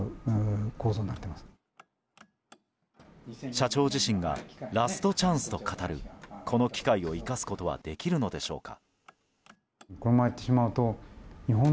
社長自身がラストチャンスと語るこの機会を生かすことはできるのでしょうか。